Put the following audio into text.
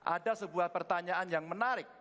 ada sebuah pertanyaan yang menarik